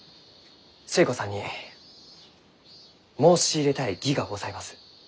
寿恵子さんに申し入れたい儀がございます。